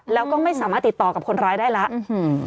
แล้วก็ไม่สามารถติดต่อกับคนร้ายได้แล้วอืม